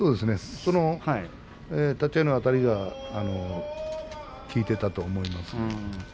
その立ち合いのあたりが効いていたと思います。